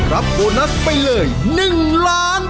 รับโบนัสไปเลย๑๐๐๐๐๐๐บาท